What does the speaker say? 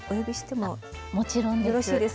もちろんです。